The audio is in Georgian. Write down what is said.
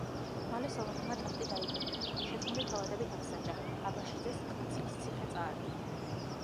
მალე სოლომონმა ტახტი დაიბრუნა, შეთქმული თავადები დასაჯა, აბაშიძეს კაცხის ციხე წაართვა.